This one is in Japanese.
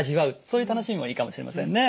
そういう楽しみもいいかもしれませんね。